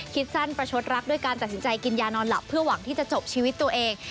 คิดสั้นประชดรักด้วยการตัดสินใจกินยานอนหลับเพื่อหวังที่จะจบชีวิตตัวเอง